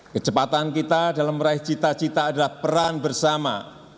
kecepatan kita dalam meraih cita cita adalah peran bersama